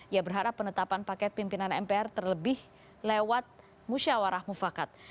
ia berharap penetapan paket pimpinan mpr terlebih lewat musyawarah mufakat